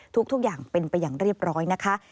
ทุกอย่างเป็นไปอย่างเรียบร้อยนะคะ